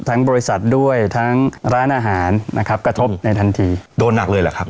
บริษัทด้วยทั้งร้านอาหารนะครับกระทบในทันทีโดนหนักเลยเหรอครับ